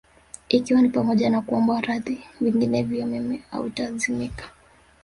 Ikiwa ni pamoja na kuombwa radhi vinginevyo mma hautazimika